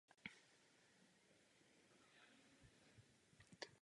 Myslím, že to byl nejdelší jednominutový projev v historii Parlamentu.